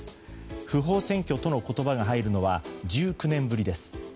不法占拠との言葉が入るのは１９年ぶりです。